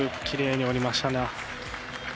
きれいに降りましたね。